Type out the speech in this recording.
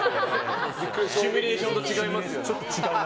シミュレーションと違いますね。